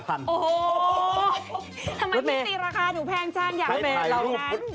รถเมล์ทำไมพี่สิราคาหนูแพงจ้างอย่างเมล์เหล่านั้น